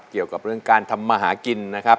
เกี่ยวกับเรื่องการทำมาหากินนะครับ